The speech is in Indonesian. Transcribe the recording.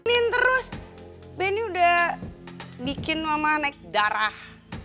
ini terus benny udah bikin mama naik darah